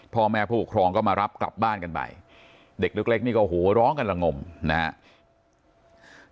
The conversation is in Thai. พ่อแม่ผู้ปกครองก็มารับกลับบ้านกันไปเด็กเล็กนี่ก็โหร้องกันละงมนะครับ